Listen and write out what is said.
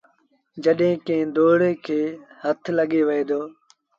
جڏهيݩ ڪݩهݩ دوڙيٚ کي هٿ لڳي وهي دو۔